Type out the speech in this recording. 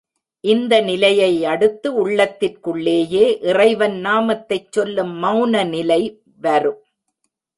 இந்த நிலையை அடுத்து உள்ளத்திற்குள்ளேயே இறைவன் நாமத்தைச் சொல்லும் மெளன நிலை வரும்.